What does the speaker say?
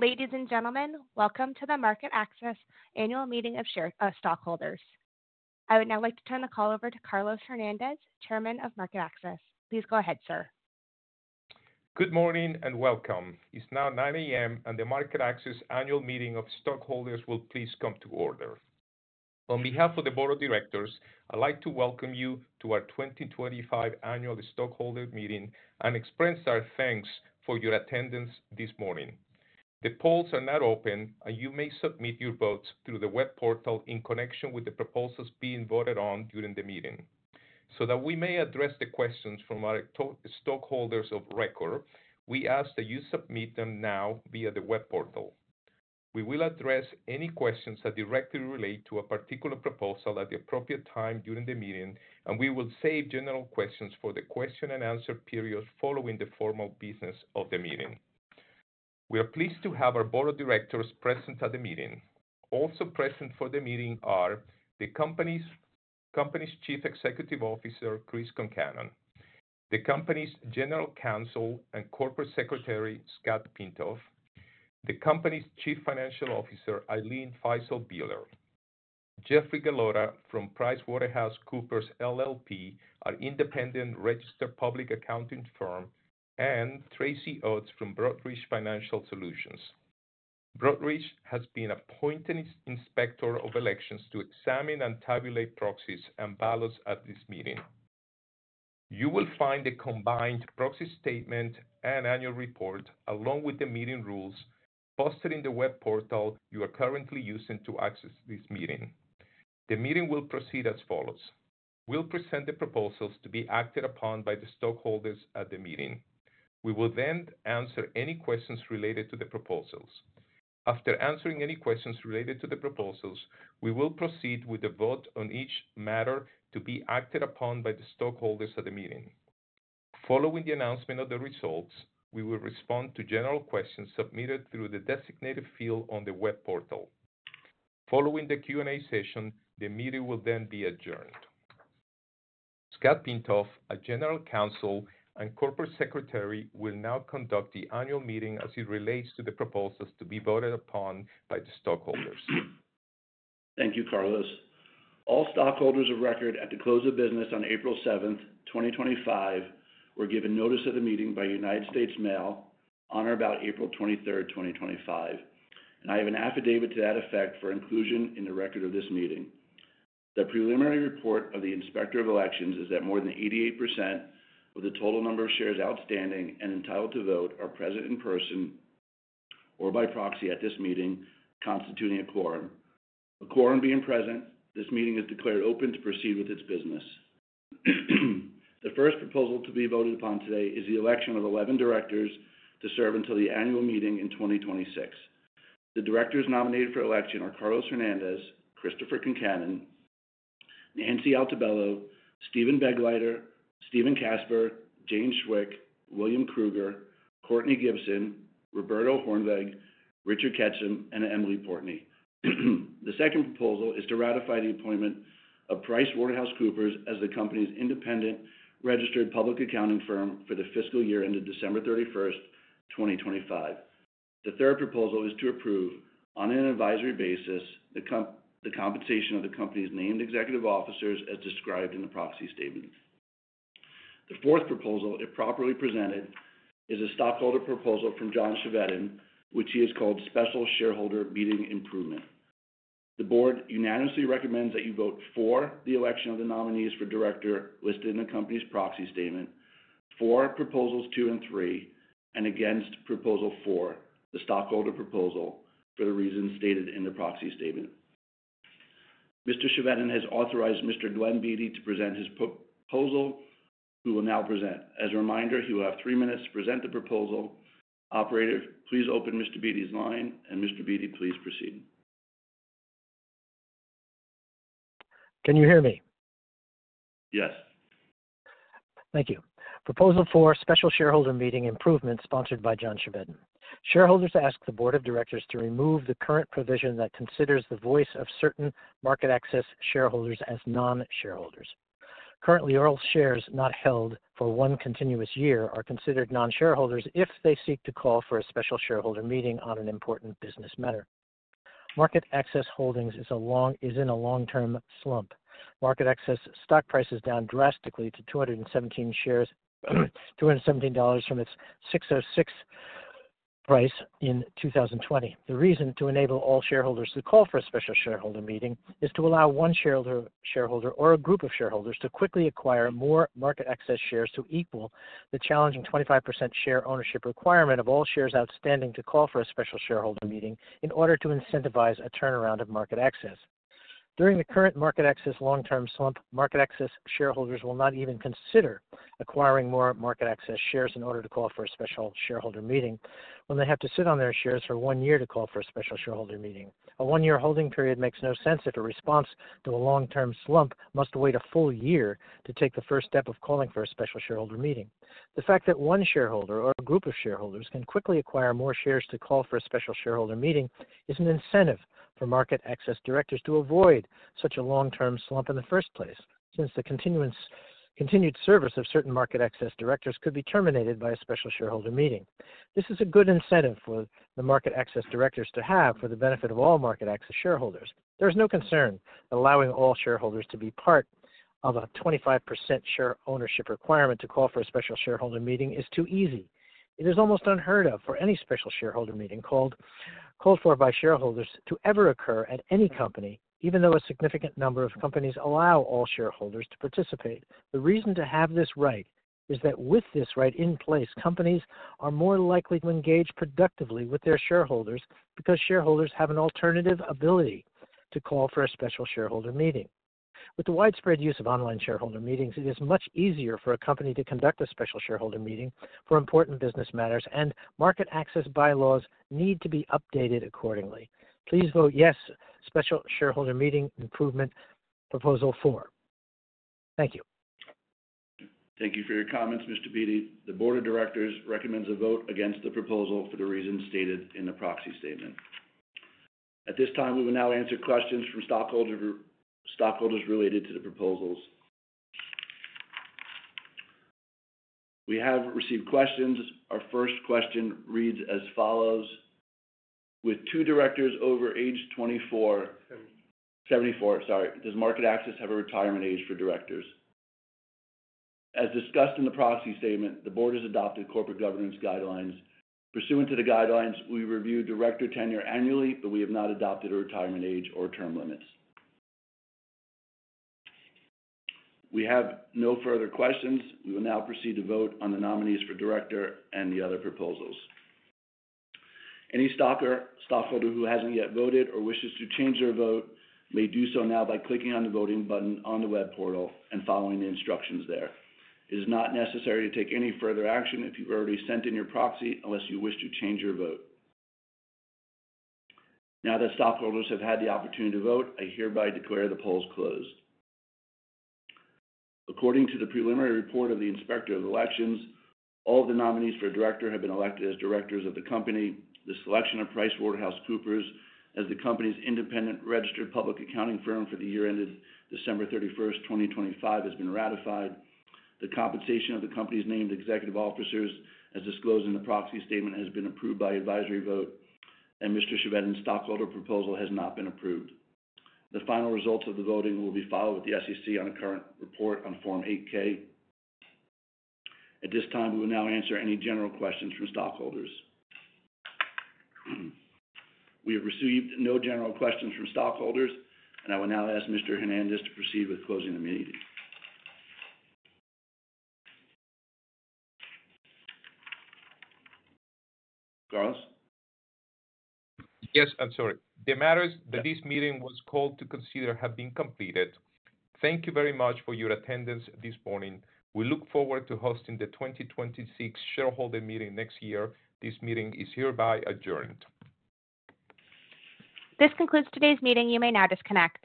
Ladies and gentlemen, welcome to the MarketAxess Annual Meeting of Stockholders. I would now like to turn the call over to Carlos Hernandez, Chairman of MarketAxess. Please go ahead, sir. Good morning and welcome. It's now 9:00 A.M., and the MarketAxess Annual Meeting of Stockholders will please come to order. On behalf of the Board of Directors, I'd like to welcome you to our 2025 Annual Stockholder Meeting and express our thanks for your attendance this morning. The polls are now open, and you may submit your votes through the web portal in connection with the proposals being voted on during the meeting. So that we may address the questions from our stockholders of record, we ask that you submit them now via the web portal. We will address any questions that directly relate to a particular proposal at the appropriate time during the meeting, and we will save general questions for the question-and-answer period following the formal business of the meeting. We are pleased to have our Board of Directors present at the meeting. Also present for the meeting are the Company's Chief Executive Officer, Chris Concannon; the Company's General Counsel and Corporate Secretary, Scott Pintoff; the Company's Chief Financial Officer, Ilene Fiszel Bieler; Jeffrey Gellora from PricewaterhouseCoopers LLP, our independent registered public accounting firm; and Tracy Oates from Broadridge Financial Solutions. Broadridge has been appointed Inspector of Elections to examine and tabulate proxies and ballots at this meeting. You will find a combined proxy statement and annual report, along with the meeting rules, posted in the web portal you are currently using to access this meeting. The meeting will proceed as follows. We'll present the proposals to be acted upon by the stockholders at the meeting. We will then answer any questions related to the proposals. After answering any questions related to the proposals, we will proceed with the vote on each matter to be acted upon by the stockholders at the meeting. Following the announcement of the results, we will respond to general questions submitted through the designated field on the web portal. Following the Q&A session, the meeting will then be adjourned. Scott Pintoff, our General Counsel and Corporate Secretary, will now conduct the annual meeting as it relates to the proposals to be voted upon by the stockholders. Thank you, Carlos. All stockholders of record, at the close of business on April 7th, 2025, were given notice of the meeting by United States Mail on or about April 23rd, 2025, and I have an affidavit to that effect for inclusion in the record of this meeting. The preliminary report of the Inspector of Elections is that more than 88% of the total number of shares outstanding and entitled to vote are present in person or by proxy at this meeting, constituting a quorum. A quorum being present, this meeting is declared open to proceed with its business. The first proposal to be voted upon today is the election of 11 directors to serve until the annual meeting in 2026. The directors nominated for election are Carlos Hernandez, Christopher Concannon, Nancy Altobello, Stephen Begleiter, Stephen Casper, Jane Chwick, William Cruger, Kourtney Gibson, Roberto Hoornweg, Richard Ketchum, and Emily Portney. The second proposal is to ratify the appointment of PricewaterhouseCoopers as the Company's independent registered public accounting firm for the fiscal year ended December 31st, 2025. The third proposal is to approve, on an advisory basis, the compensation of the Company's named executive officers as described in the proxy statement. The fourth proposal, if properly presented, is a stockholder proposal from John Chevedden, which he has called Special Shareholder Meeting Improvement. The Board unanimously recommends that you vote for the election of the nominees for director listed in the Company's proxy statement for proposals two and three, and against proposal four, the stockholder proposal, for the reasons stated in the proxy statement. Mr. Chevedden has authorized Mr. Dwane Beatty to present his proposal. We will now present. As a reminder, he will have three minutes to present the proposal. Operator, please open Mr. Beatty's line, and Mr. Beatty, please proceed. Can you hear me? Yes. Thank you. Proposal four, Special Shareholder Meeting Improvement, sponsored by John Chevedden. Shareholders ask the Board of Directors to remove the current provision that considers the voice of certain MarketAxess shareholders as non-shareholders. Currently, all shares not held for one continuous year are considered non-shareholders if they seek to call for a special shareholder meeting on an important business matter. MarketAxess Holdings is in a long-term slump. MarketAxess stock price is down drastically to $217 from its $606 price in 2020. The reason to enable all shareholders to call for a special shareholder meeting is to allow one shareholder or a group of shareholders to quickly acquire more MarketAxess shares to equal the challenging 25% share ownership requirement of all shares outstanding to call for a special shareholder meeting in order to incentivize a turnaround of MarketAxess. During the current MarketAxess long-term slump, MarketAxess shareholders will not even consider acquiring more MarketAxess shares in order to call for a special shareholder meeting when they have to sit on their shares for one year to call for a special shareholder meeting. A one-year holding period makes no sense if a response to a long-term slump must wait a full year to take the first step of calling for a special shareholder meeting. The fact that one shareholder or a group of shareholders can quickly acquire more shares to call for a special shareholder meeting is an incentive for MarketAxess directors to avoid such a long-term slump in the first place, since the continued service of certain MarketAxess directors could be terminated by a special shareholder meeting. This is a good incentive for the MarketAxess directors to have for the benefit of all MarketAxess shareholders. There is no concern allowing all shareholders to be part of a 25% share ownership requirement to call for a special shareholder meeting is too easy. It is almost unheard of for any special shareholder meeting called for by shareholders to ever occur at any company, even though a significant number of companies allow all shareholders to participate. The reason to have this right is that with this right in place, companies are more likely to engage productively with their shareholders because shareholders have an alternative ability to call for a special shareholder meeting. With the widespread use of online shareholder meetings, it is much easier for a company to conduct a special shareholder meeting for important business matters, and MarketAxess bylaws need to be updated accordingly. Please vote yes, Special Shareholder Meeting Improvement Proposal four. Thank you. Thank you for your comments, Mr. Beatty. The Board of Directors recommends a vote against the proposal for the reasons stated in the proxy statement. At this time, we will now answer questions from stockholders related to the proposals. We have received questions. Our first question reads as follows: With two directors over age 24, sorry, does MarketAxess have a retirement age for directors? As discussed in the proxy statement, the Board has adopted corporate governance guidelines. Pursuant to the guidelines, we review director tenure annually, but we have not adopted a retirement age or term limits. We have no further questions. We will now proceed to vote on the nominees for director and the other proposals. Any stockholder who has not yet voted or wishes to change their vote may do so now by clicking on the voting button on the web portal and following the instructions there. It is not necessary to take any further action if you've already sent in your proxy unless you wish to change your vote. Now that stockholders have had the opportunity to vote, I hereby declare the polls closed. According to the preliminary report of the Inspector of Elections, all the nominees for director have been elected as directors of the Company. The selection of PricewaterhouseCoopers as the Company's independent registered public accounting firm for the year ended December 31, 2025, has been ratified. The compensation of the Company's named executive officers, as disclosed in the proxy statement, has been approved by advisory vote, and Mr. Chevedden's stockholder proposal has not been approved. The final results of the voting will be filed with the SEC on a current report on Form 8-K. At this time, we will now answer any general questions from stockholders. We have received no general questions from stockholders, and I will now ask Mr. Hernandez to proceed with closing the meeting. Carlos? Yes, I'm sorry. The matters that this meeting was called to consider have been completed. Thank you very much for your attendance this morning. We look forward to hosting the 2026 Shareholder Meeting next year. This meeting is hereby adjourned. This concludes today's meeting. You may now disconnect.